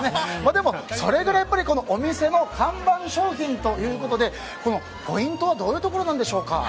でも、それぐらいお店の看板商品ということでポイントはどういうところなんでしょうか？